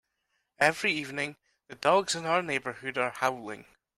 Every evening, the dogs in our neighbourhood are howling.